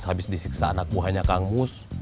habis disiksa anak buahnya kangus